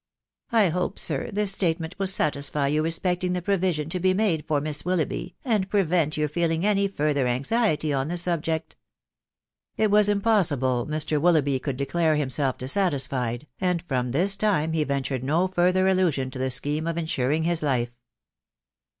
I hope, sir, this state ment will satisfy you respecting the provision to be made for Miss Willoughby, and prevent your feeling any further anxiety on the subject." It was impossible Mr. Willoughby could declare himself dissatisfied, and from this time he ventured no further allusion to the scheme of insuring his life.